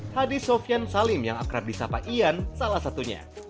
hadis sofian salim yang akrab di sapa ian salah satunya